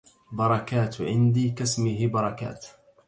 بركات عندي كاسمه بركات